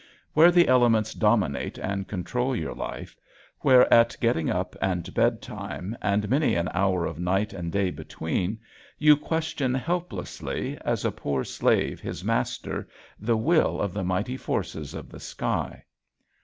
Where the elements dominate and control your life, where at getting up and bedtime and many an hour of night and day between you question helplessly, as a poor slave his master, the will of the mighty forces of the sky?